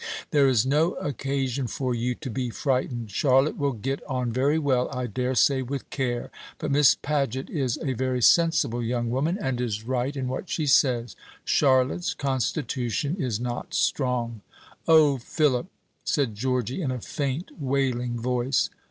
"There is no occasion for you to be frightened; Charlotte will get on very well, I dare say, with care. But Miss Paget is a very sensible young woman, and is right in what she says. Charlotte's constitution is not strong." "O Philip!" said Georgy, in a faint wailing voice.